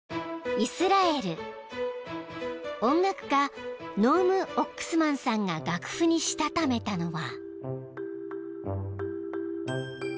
［音楽家ノーム・オックスマンさんが楽譜にしたためたのは］